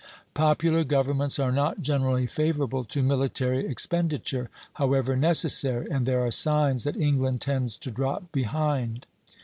Popular governments are not generally favorable to military expenditure, however necessary, and there are signs that England tends to drop behind.